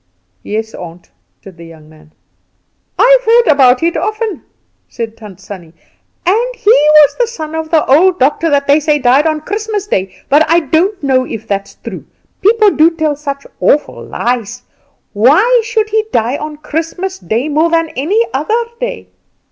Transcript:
"Yes, aunt," said the young man. "I've heard about it often," said Tant Sannie. "And he was the son of the old doctor that they say died on Christmas day, but I don't know if that's true. People do tell such awful lies. Why should he die on Christmas day more than any other day?"